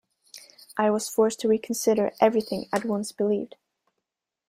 I was forced to reconsider everything I'd once believed.